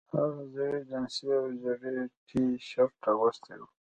هغه زړې جینس او ژیړ ټي شرټ اغوستی و